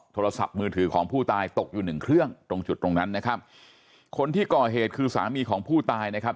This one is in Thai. โทรศัพท์มือถือของผู้ตายตกอยู่หนึ่งเครื่องตรงจุดตรงนั้นนะครับคนที่ก่อเหตุคือสามีของผู้ตายนะครับ